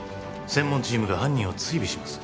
専門チームが犯人を追尾します